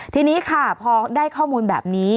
ทีนี้ค่ะพอได้ข้อมูลแบบนี้